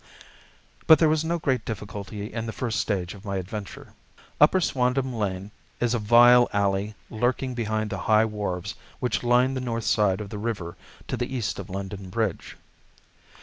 But there was no great difficulty in the first stage of my adventure. Upper Swandam Lane is a vile alley lurking behind the high wharves which line the north side of the river to the east of London Bridge.